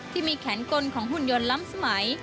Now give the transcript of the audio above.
ที่มีแขนกลของหุ่นยนล้ำสมัย